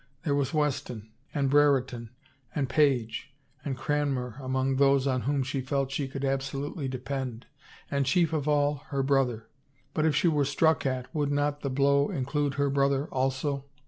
There was Weston and Brereton and Page and Cranmer among those on whom she felt she could absolutely depend ; and chief of all, her brother. But if she were struck at would not the blow include her brother, also?